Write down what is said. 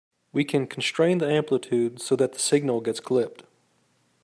We can constrain the amplitude so that the signal gets clipped.